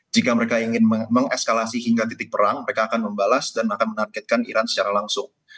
jika mereka ingin mengeskalasi hingga titik perang mereka akan membalas dan akan menargetkan iran secara langsung